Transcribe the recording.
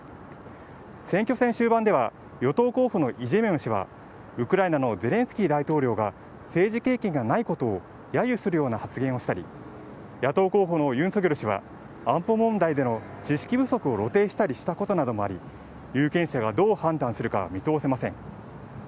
選挙戦終盤では与党候補のイ・ジェミョン氏はウクライナのゼレンスキー大統領が政治経験がないことをやゆするような発言をしたり野党候補のユン・ソギョル氏は安保問題での知識不足を露呈したりしたことなどがあり、有権者がどう判断するかは見通せません。